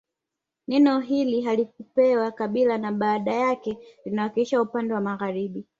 Neno hili halikupewa kabila na badala yake linawakilisha upande wa magharibi